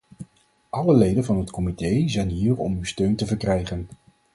Alle leden van het comité zijn hier om uw steun te verkrijgen.